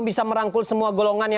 kita merasa berries terlalu banyak